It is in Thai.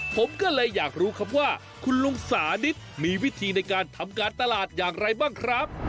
ผมก็เลยอยากรู้ครับว่าคุณลุงสานิทมีวิธีในการทำการตลาดอย่างไรบ้างครับ